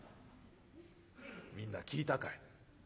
「みんな聞いたかい？